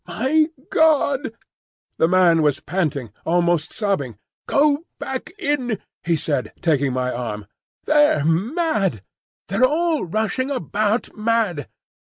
"My God!" The man was panting, almost sobbing. "Go back in," he said, taking my arm. "They're mad. They're all rushing about mad.